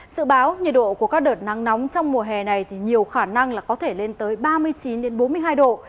dự báo nhiệt độ của các đợt nắng nóng trong mùa hè này nhiều khả năng có thể lên tới ba mươi chín bốn mươi hai độ